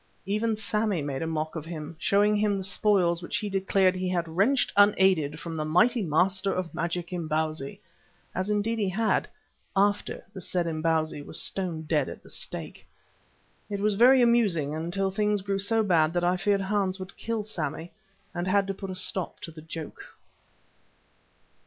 Even Sammy made a mock of him, showing him the spoils which he declared he had wrenched unaided from the mighty master of magic, Imbozwi. As indeed he had after the said Imbozwi was stone dead at the stake. It was very amusing until things grew so bad that I feared Hans would kill Sammy, and had to put a stop to the joke.